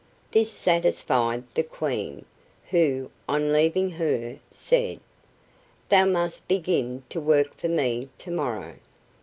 This satisfied the Queen, who, on leaving her, said: "Thou must begin to work for me to morrow."